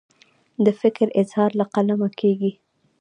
د فکر اظهار له قلمه کیږي.